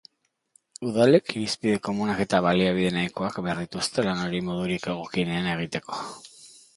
Udalek irizpide komunak eta baliabide nahikoak behar dituzte lan hori modurik egokienean egiteko.